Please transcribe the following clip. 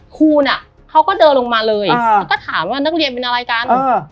ครูน่ะเขาก็เดินลงมาเลยแล้วก็ถามว่านักเรียนเป็นอะไรกัน